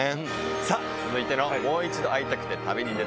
さあ、続いてのもう一度、会いたくて旅にでた。